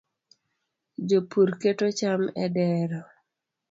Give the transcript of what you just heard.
jopur keto cham e dero